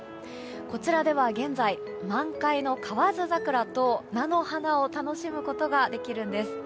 こちらでは現在満開の河津桜と菜の花を楽しむことができるんです。